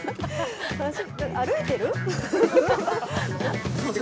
歩いてる？